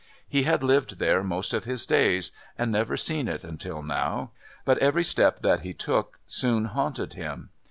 He had lived there most of his days and never seen it until now, but every step that he took soon haunted him.